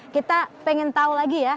kita pengen tahu lagi ya